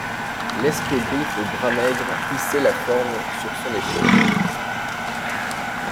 L'escogriffe aux bras maigres hissait la forme sur son épaule.